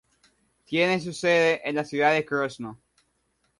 Tiene su sede en la ciudad de Krosno.